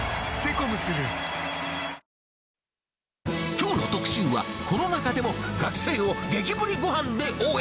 きょうの特集は、コロナ禍でも学生を激盛りごはんで応援。